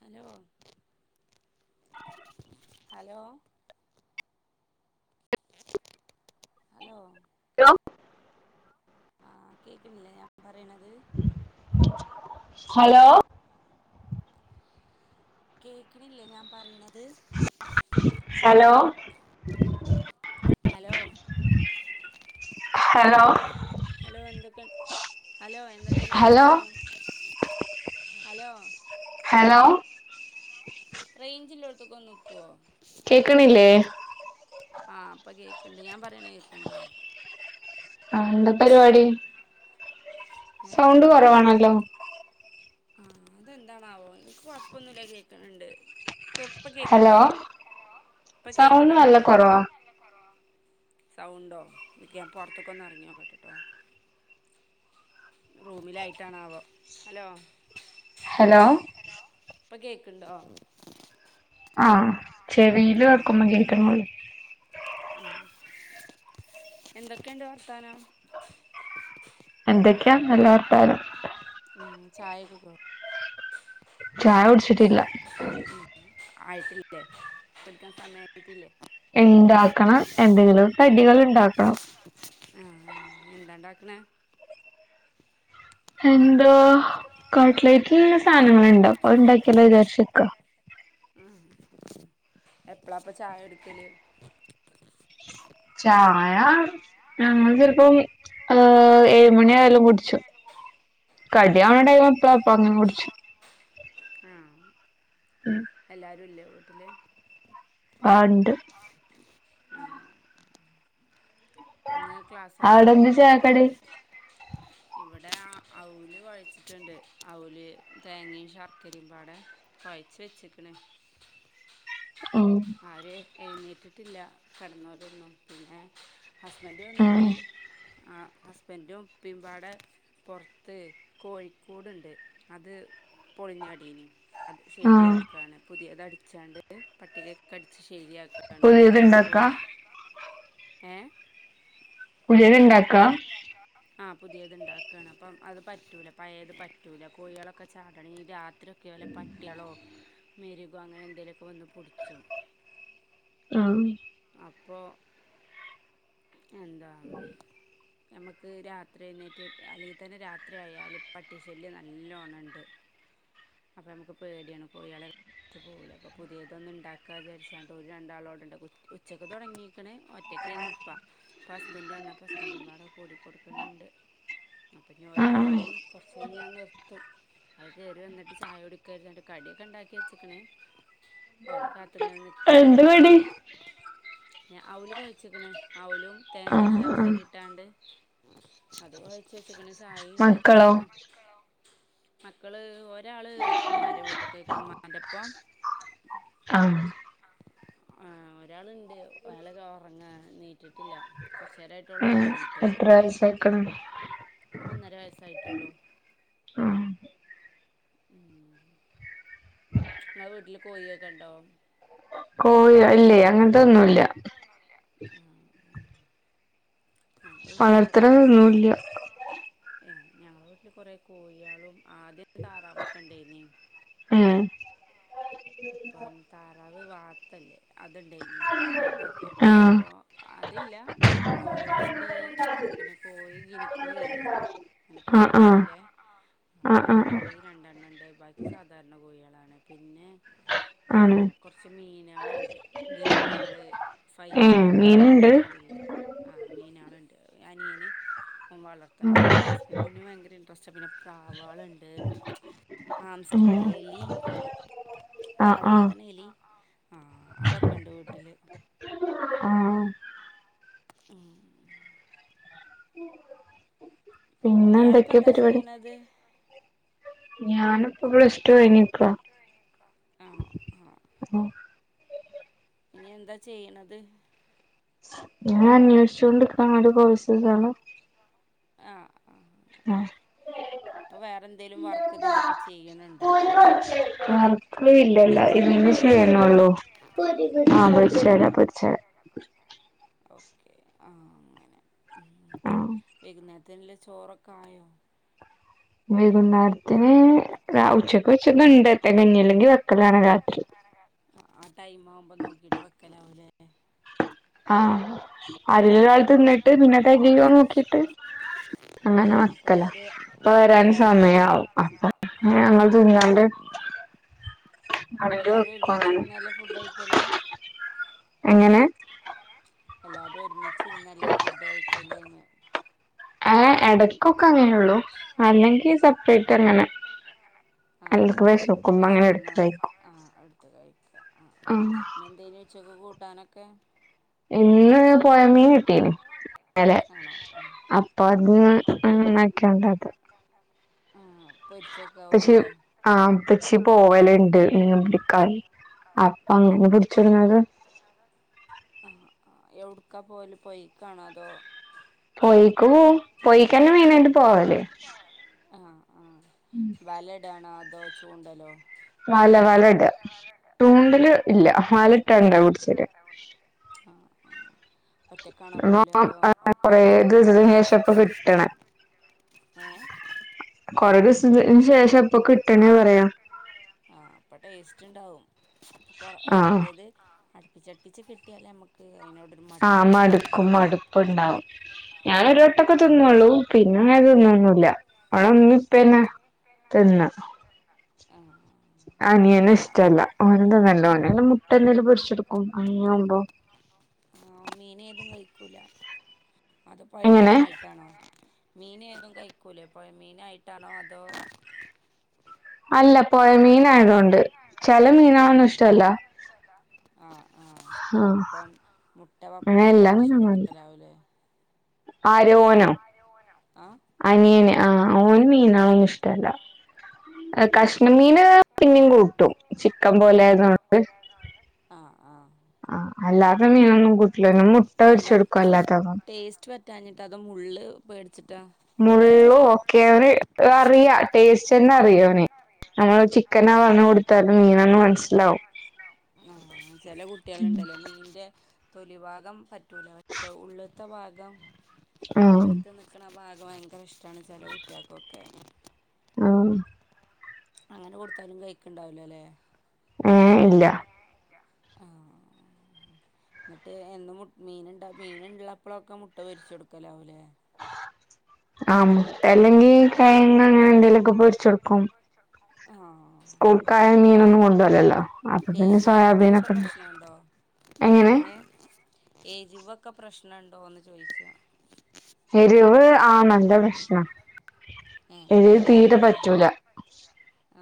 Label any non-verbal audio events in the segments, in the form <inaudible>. Hello <inaudible> hello hello <inaudible> ആഹ കേക്കണില്ലേ ഞാൻ പറയണത് ഹലോ കേക്കണില്ലേ ഞാൻ പറയണത് ഹലോ ഹലോ ഹലോ ഹലോ എന്തൊക്കെ ഹലോ എന്തൊക്കെയണ്ട് ഹലോ വർത്താനം ഹലോ ഹലോ റേഞ്ചിലോടുത്തക്കെ നിക്കുവോ കേക്കണില്ലേ ആഹ അപ്പൊ കേക്കണ്ട് ഞാൻ പറയണ കേക്കണ്ടോ ആ എന്താ പരിപാടി സൗണ്ട് കുറവാണല്ലോ ആ അതെന്താണാവോ എനിക്ക് കൊഴപ്പൊന്നുമില്ല കേൾക്കണണ്ട് ഹലോ സൗണ്ട് കേക്കണുണ്ടോ നല്ല കുറവാ സൗണ്ടോ എിക്ക ഞാൻ പുൊറത്തൊക്കെ ഒന്ന് ഇറങ്ങിയോ കേെട്ടിട്ടോ റൂമിലായിട്ടാണാവുക ഹലോ ഹലോ ഇപ്പൊ കേക്കണ്ടോ ആഹ ചെവിൽ ആഹ് വക്കുമ്പോ കറ്റ മളി ആഹ് എന്തൊക്കെയുണ്ട് വർത്താനം എന്തൊക്കെയാ നല്ല വർത്താനം ഉ ചായക്കക്ക ചായ കുടി ചി ട്ടു ആയിട്ടല്ല സക്കാ സ മേട്ടല്ലേ ഉണ്ടാക്കണം എന്തെങ്കിലും കടികൾ ഉണ്ടാക്കണം ആഹ് ആഹ് എന്താ ഇണ്ടാക്കണേ ഹം കട്ട്ലൈറ്റിൽ നിന്ന സാധനങ്ങ ഇണ്ട അ ഉണ്ടാക്കിയല്ലോ വിചാരിച്ചക്ക ഉം എപ്പഴാപ്പൊ ചായ എടുക്കല് ചായ ഞങ്ങൾ ചിലപ്പം ഏ ഏഴുമണിയായല്ലും കുടിച്ചു കടിയാവവണ ആഹ് ടൈംപ്പാപ്പ അങ്ങ കുടിച്ചു ആഹ എല്ലാരും ഇല്ലേ വീട്ടില് ആണ്ട് ആഹ ആവിടന്നിിച്ച ആ കടെ ഇവിടെ അവല് കഴിച്ചിട്ടുണ്ട് അവല് തേങ്ങയും ശർക്കരയും പാടെ കഴച്ച് വെച്ചിക്കണേ ഉം ആര് എഴുന്നേറ്റിട്ടില്ല കിടന്നോരൊന്നും പിന്നെ ഹസ്ബൻഡ് വ ഏഹ് നിൽക്കണേ ആ ഹസ്ബൻഡും പിമ്പാടെ പുറത്ത് കോഴിക്കോടുണ്ട് അത് പൊളിഞ്ഞടനും അത് ആഹ് ശരിയാക്കുകയാണ് പുതിയ അത് അടിച്ചാണ്ട് പട്ടികക്കെ അടിിച്ച ശരിയാക്കണണ്ടളപ്പ പുതിയത്ണ്ടാക്കാ പോലെ ഏ ത്ണ്ടാക്കാ ആഹ പുതിയത് ഇണ്ടാക്കുകയാണ് അപ്പം അത് പറ്റൂല പഴയത് പറ്റൂല കോഴികളൊക്കെ ചാടണ രാത് ഇത്രൊക്കെ പോലെ പട്ടികളോ മെരുകോ അങ്ങനെ എന്തെലുമൊക്കെ വന്ന് പൊടിച്ചു ആഹ അപ്പോം എന്ത നമുക്ക് രാത്രി എന്നേറ്റ് അല്ലെങ്കിൽ തന്നെ രാത്രി ആയാല് പട്ടിശല്യം നല്ലവണ്ണം ഉണ്ട് അപ്പൊ നമുക്ക് പേടിയാണ് കോഴളെ കുച്ചു പോകല അപ്പൊ പുതിയതൊന്നും ഉണ്ടാക്കാ വിചാരിച്ചാണ്ട് ഒരു രണ്ടാളോടുണ്ട് ഉച്ചക്ക് തുടങ്ങി ക്കണ ഒറ്റയ്ക്ക് നിപ്പ അപ്പ ഹസ്ബൻഡ് വന്നപ്പ ഹസ്ബൻറുംപാട കൂടിക്കൊടുക്കുന്നുണ്ട് അപ്പം ഞോല ആ ആഹ് പണി കുറച്ച് കഴിഞ്ഞാൻ നിർത്തും അത് കറി വന്നിട്ട് ചായ കുടക്കമായിരുന്നുട്ട് കടിയൊക്കെ ഉണ്ടാക്കി വെച്ചക്കണേ ഓല കാത്തങ്ങനെ നക്കന്ന എന്ത് കടി അവല് കൊഴച്ചക്കണ് ത ആഹ് ആഹ് ചായ മക്കളോ ഉണ്ടാക്കിക്കിണ് മക്കളോ മക്കള് ഒ ഒരാള് മര വീട്ട കൊയിക്കണം മരപ്പം ആഹ ആഹ ഒരാളുണ്ട് വലക്കെ ഉറങ്ങാ നീറ്റിട്ടില്ല കുറച്ച് നേരമായിട്ടുള്ളൂ ആ ഉറങ്ങിയിട്ട് എത്ര വരസ ആയിക്കും ഒന്നര വയസായിട്ടള്ളു ആഹ് ഉ ങ്ങ വീട്ടില് കോഴൊക്കെ ഇണ്ടാവും കോയി അല്ലേ അങ്ങത്തൊന്നുല്ല ഞങ്ങള വീട്ടില് കുറ കോഴിയാളും ഏ ഞങ്ങള വീട്ടിൽ കുറ കോഴിയാളും ആദ്യത് താറാവൊക്കെ ഇണ്ടേനീ ഏഹ് ഇപ്പം താറാവ് വാത്തല്ലേ? അതുണ്ടായിനി ആദ്യൊക്കെ ആഹ് ഇപ്പോ അതില്ല കോഴുണ്ട് പിന്നെ കോഴി ഗിനി കോഴി ഇല്ലേ നല്ല ആഹ് പുള്ളി ആഹ് പുള്ളിയില്ലേ ആ ആഹ് ആഹ് ഗിനിക്കോഴി രണ്ടെണ്ണം ഉണ്ട് ബാക്കി സാധാരണ കോഴികളാണ് പിന്നെ ആണ് കുറച്ച് മീനാലുണ്ട് ഗപ്പിയള് ഏ ഫൈറ്റർ അങ്ങനത്തെ മീനുണ്ട് മീനാളില്ലേ ആ മീനാളുണ്ട് അനിയന് വളർത്തണം അതാണ്. പിന്നെ ഹസ്ബന്റിന് ഭയങ്കര ഇൻട്രസ്റ്റ് പിന്നെ പ്രാവാളുണ്ട് ഉം ആംസ്റ്റർലെ എലി ആ ആ വളർത്തണ എലി ആ അതൊക്കെ ഇണ്ട് വീട്ടില് ആ ഉം പിന്നെ ഇയാളിപ്പോ എന്തൊക്കെയാ എന്താ പരിപാടി ചെയ്യണത് ഞാനിപ്പൊ പ്ലസ് റ്റൂ കഴിഞ്ഞിക്കാ ആണോ ആ ഇനി എന്താ ചെയ്യണത്? ഞാൻ അന്വേഷിച്ചൊണ്ട്ക്കാണ് ഒരു കോയിസ്ക്കാന്ന്. ആഹ് ആ ഇപ്പൊ വേറെന്തേലും വർക്ക് ഇതിന്റപ്പം ചെയ്യണുണ്ടോ അപ്പൊ? അക്ളി ഇല്ലല്ല ഇതന്നെ ചെയ്യണള്ളൂ. ആ പടിച്ചരാ പിടിച്ചരാ ഓക്കെ ആ അങ്ങനെ ആ ഇല്ല ചോറൊക്കെ ആയോ? വൈകുന്നേര ത്തിഞ്ഞി ഉച്ചക്ക് വെച്ചതുണ്ട് തെനഞ്ഞി അല്ലെങ്കി വെക്കലാണ് രാത്രി. ടൈമ് ആവുമ്പോ നോക്കിട്ട് വെക്കലാ ആ അരീലൊരാൾ തിന്നിട്ട് പിന്നെ തികയോ നോക്കിട്ട് ആ അങ്ങനെ അപ്പൊ വക്കല എല്ലാരും വരാൻ എല്ലാരും സമയാവും അപ്പൊ ആ ഞങ്ങൾ അപ്പൊ തിന്നാണ്ട് ആണെങ്കി എല്ലാരും വെക്കും അങ്ങനെ ഒരുമിച്ചിരുന്നല്ലേ ഫുഡ്‌ കയിക്കല്? എങ്ങനെ എല്ലാരും ഒരുമിച്ചിരുന്നല്ലേ ഫുഡ് കഴിക്കല്ന്ന് ആ ഇടക്കൊക്കെ അങ്ങനെള്ളു അല്ലെങ്കി സെപ്പറേറ്റ് അങ്ങനെ ആഹ് എല്ലക്ക് വിശക്കുമ്പോ അങ്ങനെ എടുത്ത് വെശക്കുന്നു കഴിക്കും ആഹ് എടുത്ത് കഴിക്ക ആ ആഹ് ഇന്നെന്തേഞ്ഞി ഉച്ചക്ക് കൂട്ടാനൊക്കെ? ഇന്ന് പൊഴമീൻ കിട്ടീന് അലെ ആണോ ആഹ് അപ്പൊ അത് നക്കണ്ട അത് ആഹ് ഉപ്പച്ചി പൊരിച്ചക്കാവൂല്ലേ ആ ഉപ്പച്ചി പോവല്ണ്ട് മീൻ പിടിക്കാൻ അപ്പ അങ്ങനെ പിടിചൊണ്ട്ന്നത് ആ എവിട്ക്കാ പോല് പൊയീ കാണോ അതോ പൊഴേക് പോവും പൊഴീക്കന്നെ മെയിനായിട്ട് പോവല് വല ഇടാണോ? അതോ ചൂണ്ടല്ലോ? വല വല ഇട. തൂണ്ടല് ഇല്ല വല ഇട്ടാണ്ടാ പുടിച്ചരാ. ആഹ് ആഹ് ഒറ്റക്കാണോ പോഅല് അതോ ഒപ്പം കൊറേ ആരേലൊക്കെ ദിവസത്തിന് ഇണ്ടാകോ? ശേഷം ഇപ്പൊ കിട്ടണേ ഏ കൊറെ ദിവസി ൻശേഷം ഇപ്പൊ കിട്ടണേ പറയാ റ്റ് ണ്ടാവുംകൊറെ ആഹ് മറ്റേത് അടുപ്പിച്ചടിപ്പിച് കിട്ടിയാലെ നമുക്ക് അയിനോട് ആഹ് മടുക്കും മടുപ്പ്ണ്ടാവും ആ ഞാനൊരു വട്ടൊക്കെ തിന്നുള്ളൂ പിന്നെ അത് തിന്ന തിന്നുല്ല വടെമ്മിം പ്പന്നെ ത്തിന്ന <unintelligible> അല്ല അനിയന് ഇ ഇഷ്ടല്ല ഓന് ത് ന്നല്ല ആ ഓനെ മുട്ടന്തേലും പൊരിചൊടുക്കുംഅങ്ങിനാവുമ്പോ ആഹ് മീന് ഏതും കഴിക്കൂല അത് എങ്ങനെ പൊയമീനായിട്ടാണോ മീന് ഏതും കഴിക്കൂലേ പൊയ മീനായിട്ടാണോ അതോ? പോയ മീന ആയതൊണ്ട് ചെല മീനാലൊന്നും ഇഷ്ടല്ല ആഹ് ആഹ് ആഹ് അപ്പം മുട്ട വ അങ്ങനെ എല്ലാ മീനൊന്നും പൊരിചൊടുക്കലാവുല്ലെ? ആര് ഓനൊ ആ അനിയന് ആ ഓന് മീനാളൊന്നും ഇഷ്ടല്ല ആ കഷ്ണമീന് പിന്നിം കൂട്ടും ചിക്കൻ പോലെന്നട്ട് ആഹ് ആ അല്ലാതെ മീനൊന്നും കൂട്ട് ല ഒന് മുട്ട പോരിചോട്ക്കും അല്ലാത്തപം റ്റാഞ്ഞിട്ടോ അതാ മുള്ള് പേടിച്ചിട്ടോ മുള്ളും ഒക്കെ അവന് അറിയാ ടേസ്റ്റ്ന്ന അറിയ ഓന് നമ്മള് ചിക്കനാ പറഞ്ഞ് കൊടുതാലും മീനാ ന്ന് മനസ്സിലാവും ആഹ ചെല കുട്ട്യാള് ണ്ടല്ലോ മീന്റെ തൊലി ഭാഗം പറ്റൂല പക്ഷെ ഉള്ള്ത്തെ ഭാഗം ആ അ വെള്ത്ത് നിക്ണ ഭാഗം ഭയങ്കര ഇഷ്ടണ് ചെലെ കുട്ടിയാക്കൊക്കെ ആഹം അങ്ങനെ കൊടുത്താലും കഴിക്ക്ണ്ടാവു ലലേ ഏ ഇല്ല <unintelligible> ന്നിട്ട് എന്നും മുട് മീൻണ്ട മീന്ള്ളപ്പളൊക്കെ മുട്ട പൊരിച്ചൊടുക്കലാവൂലേ ആ മുട്ടേ അല്ലെങ്കി കെയങ്ങ് അങ്ങനെ എന്തേലൊക്കെ പൊരിച്ചടുക്കും <unintelligible> സ്കൂൾക്കായ ക മീനൊന്നും കൊണ്ടോവുല്ലല്ലോ അപ്പൊ പിന്നെ എരു അങ്ങനത്തതൊക്കെ സോയാബീനൊക്കെ പ്രശ്നണ്ടോ എങ്ങനെ ഓന് ഏരിവൊക്കെ പ്രശ്നണ്ടോന്ന് ചോയിച്ചാ എരിവ് ആനല്ല പ്രശ്ന എരിവ് തീരെ പറ്റൂല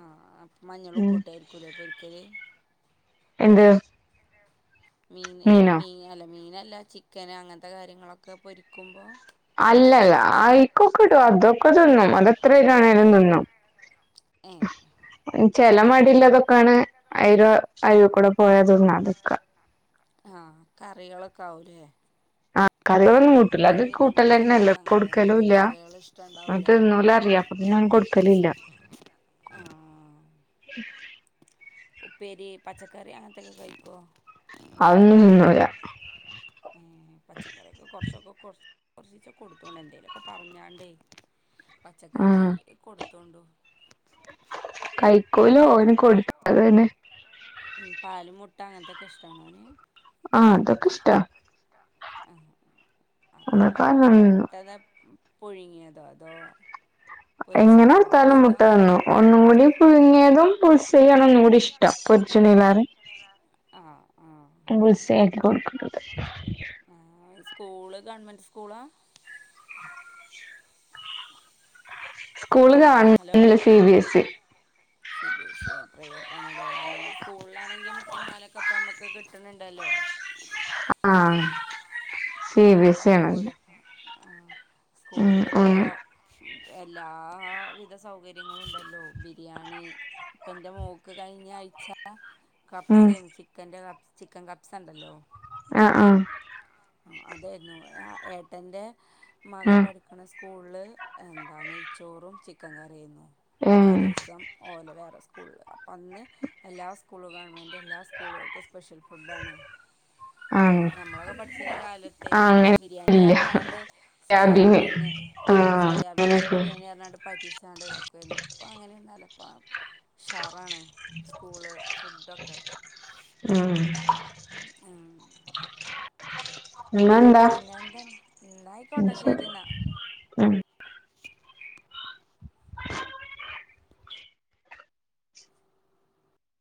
ആഹ മഞ്ഞൾ ഉം ഉപ്പൂട്ടായിരിക്കൂലേ പൊരിക്കല് എന്ത് മീന് മീനോ മീന് മീനല്ല ചിക്കന് അങ്ങനത്തെ കാര്യങ്ങളൊക്കെ പൊരിക്കുമ്പോ അല്ലല്ല ആഐക്കൊക്കെടും അതൊക്കെ തിന്നും അതെത്രരുണേലും തിന്നും ഐ ചെല മടില്ലതൊക്കാണ് ഏരു അരുക്കൂടെ പോയ തിന്നാതക്ക ആഹ കറികളൊക്കെ ആവൂലേ? ആ കറികൊന്നും കൂട്ടില്ല അത് ഒരുവിധം കൂട്ടല്ലന്നെല്ല കുട്ടികൾക്കൊക്കെ അങ്ങനെ തന്നെയാണ് കൊടുക്കലുംല്ല കറികൾ ഇഷ്ടം ഉണ്ടാവൂല ഓൻതിന്നുല അറിയ അപ്പ ഞൻ കൊട്ക്കലില്ല ആഹ് <unintelligible> ഉപ്പേരി പച്ചക്കറി അങ്ങന് ത്തൊക്കെ കഴിക്കൊ അതൊന്നും തിന്നൂല <inaudible> പച്ചക്കറിക്കെ കുറച്ചൊക്കെ കൊറ്ച് കോർച്ചിചെ കൊടുത്തോണ്ട് എന്തേലുക്കെ പറഞ്ഞാണ്ടേ പച്ചക്കറി കൊടുത്ത് തൊണ്ടു കയ്ക്കുല ഓന് കൊടുക്കാത തന്നെ ഉ പാല് മുട്ട അങ്ങൻത്തൊക്കെ ഇഷ്ടണോഒന് ആ അതൊക്കെ ഇഷ്ട ആ അക്കെ തിന്നും മുട്ടത പുഴുങ്ങിയതോ അതോ എങ്ങനെ പൊരിച്ചതോ ഒരുത്താല മുട്ട ഇഷ്ടം വന്നു ഒന്നും കൂടി പുഴുങ്ങിയതും ബുത്സ യാണ് ഒന്ന കൂടി ഇഷ്ടം പൊർച്ചുണല്ലാറ് ആഹ് ബുത്സ <unintelligible> ആഹ് സ്കൂള് ഗവൺമെന്റ് സ്കൂളാ ക്ഷ സ്കൂള് ആണോ ഹലോ കാണില്ല C B S C B S E private ആണ അല്ലെിൽ സ്കൂളില ആണ ആണെങ്കി മുട്ടിയ പാലൊക്കെപ്പ നമുക്ക് കിട്ടുന്നുണ്ടല്ലോ ആ സി ബിഎസ് ആണ് സ്കൂളിലിപ്പോൾ എല്ലാ വിധ സൗകര്യങ്ങളും ഉണ്ടല്ലോ ബിരിയാണി ഇപ്പ എന്റെ മോക്ക് കഴിഞ്ഞ ആഴ്ച്ച കപ്സ ഉം രുന്നു ചിക്കന്റെ ചിക്കൻ കപ്സ് ഇണ്ടല്ലോ ആ ആ ആ അതൊയിരുന്നു ഏട്ടന്റെ മകൻ ആഹ് പഠിക്കണ സ്കൂൾ എന്താ നെയ്ച്ചോറും ചിക്കൻ കറിയും ആ ഏഹ് ദിവസം ഓല വേറെ സ്കൂൾ അപ്പം അന്ന് എല്ലാ സ്കൂളും ഗവൺമെന്റ് എല്ലാ സ്കൂളുകൾക്കും സ്പെഷ്യൽ ഫുഡ ആണ് ആഹ് ഞമ്മളൊക്കെ പഠ ിന ആഹ് കാലത്തരുന്നു അങ്ങനെ ബിരിയാണി ഇല്ല ഇറങ്ങാണ്ട് ക്യാബിന് സോയാബീന് ആ ആഹ് സോയാബീ്ന്റെ അങ്ങനെയൊക്കെ ബിരിയാണി പറഞ്ഞാണ്ട് പറ്റിച്ചാണ്ട് ഇതാക്കുക എ നിൽക്കപ്പോ അങ്ങനെയൊന്നാലും ഷറാണ് സ്കൂള് ഫുഡൊക്കെ ഉം ആ ഹ പിന്നെ എന്താ ഉം ന്നകോട്ടെ ശരി ശേരിന്നാ ഉം